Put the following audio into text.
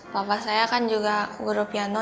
papa saya kan juga guru piano